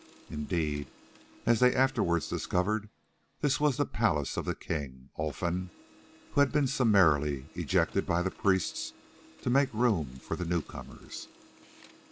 Indeed, as they afterwards discovered, this was the palace of the king, Olfan, who had been summarily ejected by the priests to make room for the newcomers.